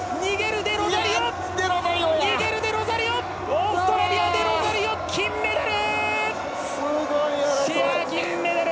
オーストラリア、デロザリオ金メダル！